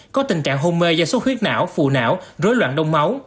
có tình trạng hôn mê do xuất huyết não phù não rối loạn đông máu